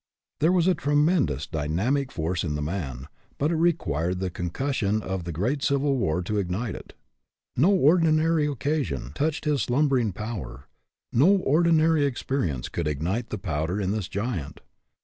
There was a tremendous dynamic force in the man, but it required the concussion of the great Civil War to ignite it. No ordinary occasion touched his slumbering power, no ordinary experience could ignite the powder in this giant.